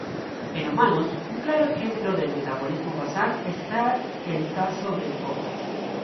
En humanos, un claro ejemplo del metabolismo basal está el caso del coma.